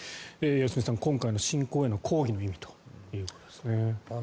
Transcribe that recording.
良純さん、今回の侵攻への抗議の意味ということですね。